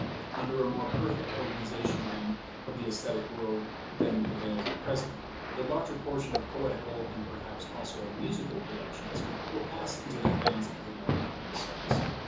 Under a more perfect organization, then, of the esthetic world than prevails at present, the larger portion of poetical and perhaps also of musical productions, will pass into the hands of the more loving sex.